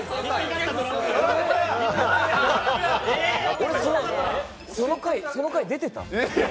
俺、その回、出てた？